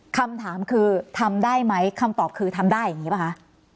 คำถามคือทำได้ไหมคำตอบคือทำได้อย่างนี้ป่ะคะ